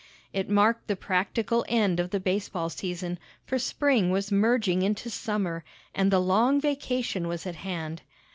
It marked the practical end of the baseball season, for spring was merging into summer, and the long vacation was at hand.